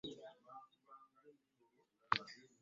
N'abantu ba bulijo bawulirwa ebyogerwa ab'ebitiibwa .